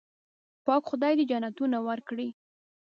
پاک خدای دې جنتونه ورکړي.